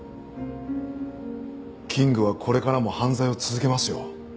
キングはこれからも犯罪を続けますよ。